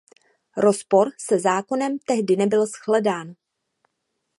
Rozpor se zákonem tehdy nebyl shledán.